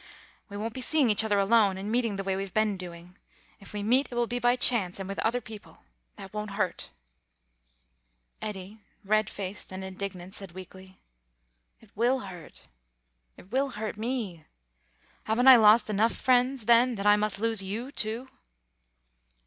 We won't be seeing each other alone and meeting the way we've been doing. If we meet it will be by chance, and with other people; that won't hurt." Eddy, red faced and indignant, said weakly, "It will hurt. It will hurt me. Haven't I lost enough friends, then, that I must lose you, too?"